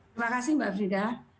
terima kasih mbak frida